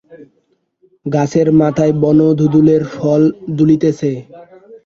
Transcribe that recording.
-গাছের মাথায় বনধুধুলের ফল দুলিতেছে।